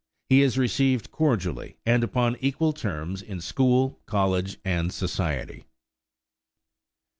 He is received cordially and upon equal terms in school, college, and society.